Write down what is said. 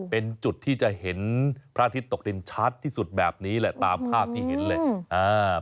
เป็นจุดที่จะเห็นพระอาทิตย์ตกดินชัดที่สุดแบบนี้แหละตามภาพที่เห็นเลย